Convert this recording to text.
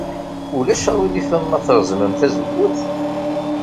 Ulac aɣilif ma treẓmemt tazewwut?